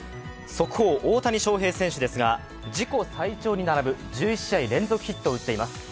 速報、大谷翔平選手ですが自己最長に並ぶ１１試合連続ヒットを打っています。